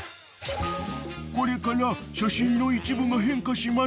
［これから写真の一部が変化します］